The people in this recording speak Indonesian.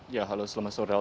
ya halo selamat sore